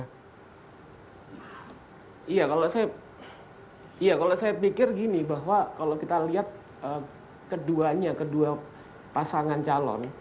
oh iya kalau saya iya kalau saya pikir gini bahwa kalau kita lihat keduanya kedua pasangan calon